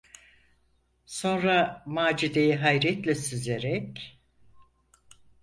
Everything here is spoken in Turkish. Sonra Macide’yi hayretle süzerek: